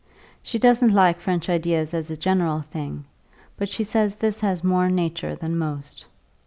She doesn't like French ideas as a general thing; but she says this has more nature than most.